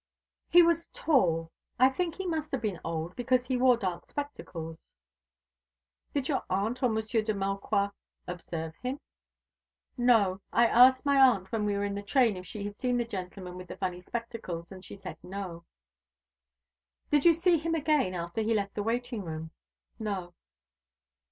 "He was tall. I think he must have been old, because he wore dark spectacles." "Did your aunt and Monsieur de Maucroix observe him?" "No. I asked my aunt when we were in the train if she had seen the gentleman with the funny spectacles, and she said no." "Did you see him again after he left the waiting room?" "No."